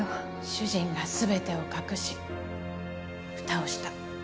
主人が全てを隠しふたをした。